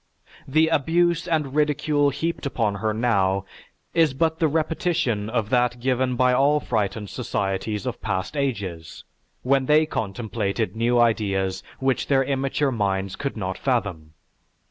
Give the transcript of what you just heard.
The abuse and ridicule heaped upon her now is but the repetition of that given by all frightened societies of past ages, when they contemplated new ideas which their immature minds could not fathom.